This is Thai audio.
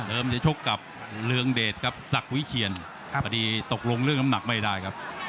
จะชกกับเรืองเดชครับศักดิ์วิเชียนพอดีตกลงเรื่องน้ำหนักไม่ได้ครับ